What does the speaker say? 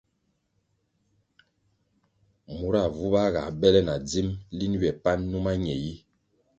Mura vuba ga bele na dzim lin ywe pan numa ñe yi.